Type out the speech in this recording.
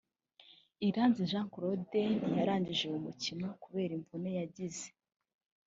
Iranzi Jean Claude ntiyarangije uyu mukino kubera imvune yagize